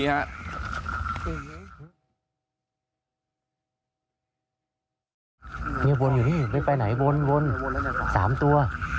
เนี่ยวนอยู่นี่ไม่ไปไหนวน๓ตัว